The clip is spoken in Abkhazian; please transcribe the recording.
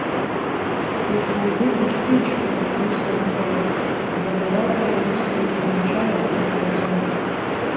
Ухы-угәы зегьы ҭынчхон, ус уаныҟала, жәаҳәарада, уусқәагьы маншәалаӡа иҟауҵон.